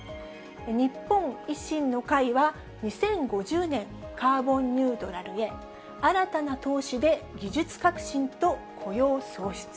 日本維新の会は、２０５０年カーボンニュートラルへ、新たな投資で技術革新と雇用創出。